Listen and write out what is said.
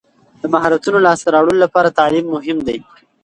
د مهارتونو لاسته راوړلو لپاره تعلیم مهم دی.